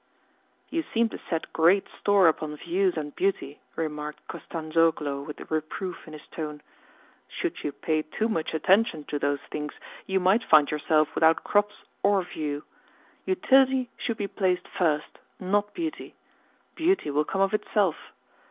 "You seem to get great store upon views and beauty," remarked Kostanzhoglo with reproof in his tone. "Should you pay too much attention to those things, you might find yourself without crops or view. Utility should be placed first, not beauty. Beauty will come of itself.